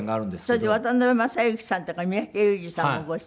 それで渡辺正行さんとか三宅裕司さんもご出演になる？